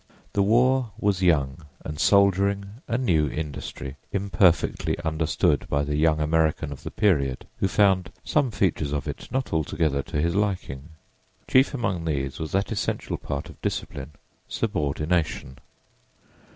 The war was young and soldiering a new industry, imperfectly understood by the young American of the period, who found some features of it not altogether to his liking. Chief among these was that essential part of discipline, subordination.